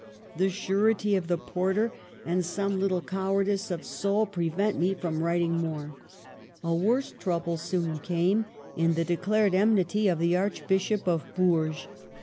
... The surety of the porter and some 58 MARGARET OF ANGOULEME. little cowardice of soul prevent me from writing more." A worse trouble soon came, in the declared enmity of the Archbishop of Bourges.